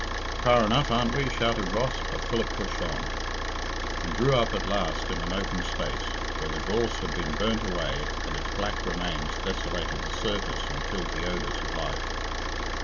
"Far enough, aren't we?" shouted Ross, but Philip pushed on. He drew up at last in an open space, where the gorse had been burnt away and its black remains desolated the surface and killed the odours of life.